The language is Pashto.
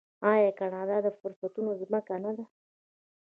آیا کاناډا د فرصتونو ځمکه نه ده؟